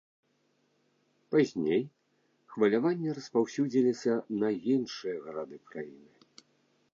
Пазней хваляванні распаўсюдзіліся на іншыя гарады краіны.